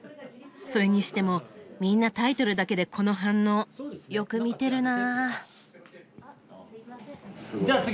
それにしてもみんなタイトルだけでこの反応。よく見てるなぁ。